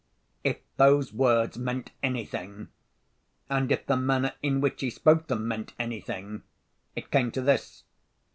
If those words meant anything, and if the manner in which he spoke them meant anything—it came to this.